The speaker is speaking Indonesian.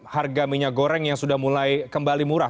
harga minyak goreng yang sudah mulai kembali murah